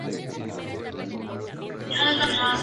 Su era generalmente se llama proto- tres reinos de Corea.